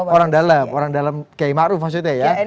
orang dalam orang dalam kiai maruf maksudnya ya